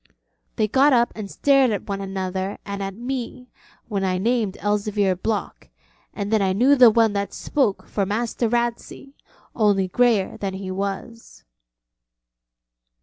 They got up and stared at one another and at me, when I named Elzevir Block, and then I knew the one that spoke for Master Ratsey only greyer than he was.